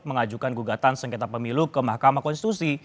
mengajukan gugatan sengketa pemilu ke mahkamah konstitusi